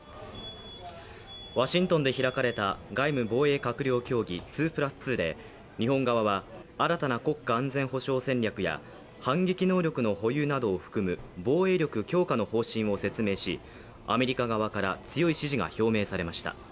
ワシントンで開かれた外務・防衛閣僚協議、２＋２で日本側は新たな国家安全保障戦略や反撃能力の保有などを含む防衛力強化の方針を説明しアメリカ側から強い支持が表明されました。